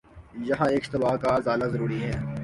یہاں ایک اشتباہ کا ازالہ ضروری ہے۔